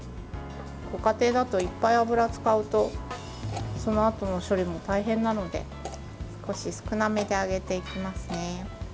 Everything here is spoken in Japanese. ご家庭だといっぱい油を使うとそのあとの処理も大変なので少し少なめで揚げていきますね。